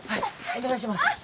お願いします！